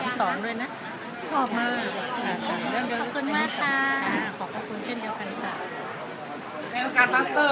เป็นการปัสเตอร์ไหมครับปัสเตอร์ปัสเตอร์